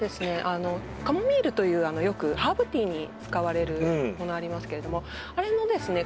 あのカモミールというあのよくハーブティーに使われるものありますけれどもあれのですね